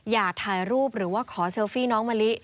อย่าถ่ายรูปหรือว่าขอเซลฟี่น้องมะลิ